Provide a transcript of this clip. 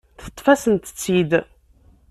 Teṭṭef-asent-tt-id.